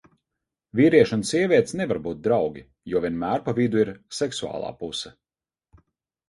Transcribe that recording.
Vīrieši un sievietes nevar būt draugi, jo vienmēr pa vidu ir seksuālā puse.